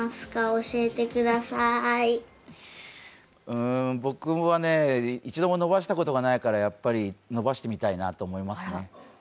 うーん、僕はね、一度も伸ばしたことがないからやっぱり伸ばしてみたいと思いますね。